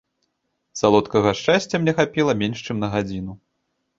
Салодкага шчасця мне хапіла менш чым на гадзіну.